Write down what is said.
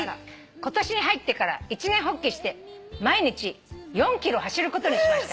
今年に入ってから一念発起して毎日４ｋｍ走ることにしました」